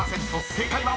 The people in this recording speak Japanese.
正解は⁉］